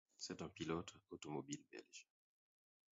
C'est un pilote automobile belge.